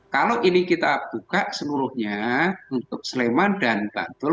kalau ini kita buka seluruhnya untuk sleman dan bantul